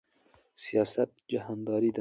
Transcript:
سیاست جهانداری ده